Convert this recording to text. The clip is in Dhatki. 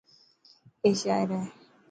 اي شاعر هي.